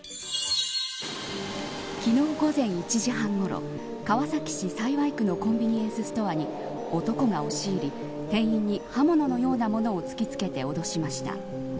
昨日午前１時半ごろ川崎市幸区のコンビニエンスストアに男が押し入り店員に刃物のようなものを突き付けておどしました。